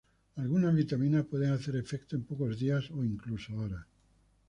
Algunas vitaminas puede hacer efecto en pocos días o incluso horas.